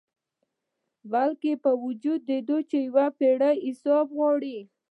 بلکي باوجود د یو پیړۍ حساب غواړو